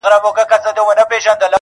o اوربشي څه په مځکه، څه په جوال٫